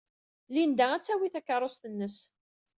Linda ad tawey takeṛṛust-nnes.